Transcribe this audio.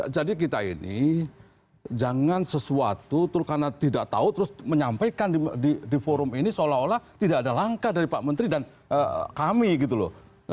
jadi kita ini jangan sesuatu karena tidak tahu terus menyampaikan di forum ini seolah olah tidak ada langkah dari pak menteri dan kami gitu loh